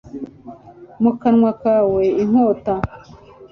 mu kanwa kawe, inkota